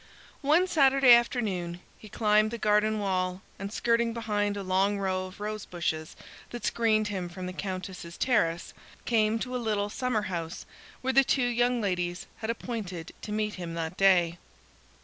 One Saturday afternoon he climbed the garden wall, and skirting behind a long row of rosebushes that screened him from the Countess's terrace, came to a little summer house where the two young ladies had appointed to meet him that day.